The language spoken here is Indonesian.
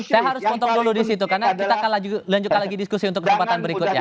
saya harus potong dulu disitu karena kita akan lanjutkan lagi diskusi untuk kesempatan berikutnya